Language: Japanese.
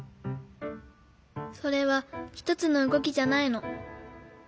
それはひとつのうごきじゃないの。